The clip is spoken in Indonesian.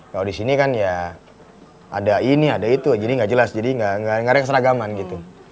kalau di sini kan ya ada ini ada itu jadi nggak jelas jadi nggak ada keseragaman gitu